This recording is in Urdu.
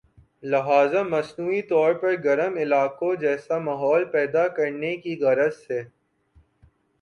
لہذا مصنوعی طور پر گرم علاقوں جیسا ماحول پیدا کرنے کی غرض سے